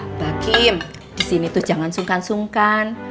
ehm mbak kim disini tuh jangan sungkan sungkan